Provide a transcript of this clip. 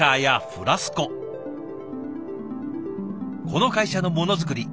この会社のものづくり